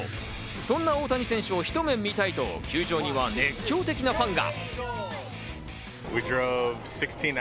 そんな大谷選手をひと目見たいと、球場には熱狂的なファンが。